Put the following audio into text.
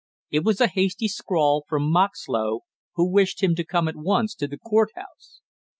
It was a hasty scrawl from Moxlow who wished him to come at once to the court house.